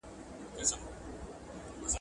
هغه به له مودې هڅه کړې وي.